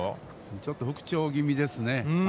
ちょっと復調ぎみですね。